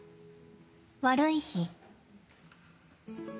悪い日。